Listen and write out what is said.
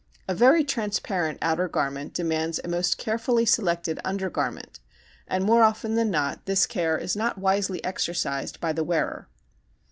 A very transparent outer garment demands a most carefully selected under garment and more often than not this care is not wisely exercised by the wearer.